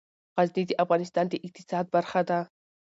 غزني د افغانستان د اقتصاد برخه ده.